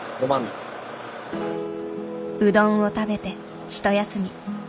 うどんを食べてひと休み。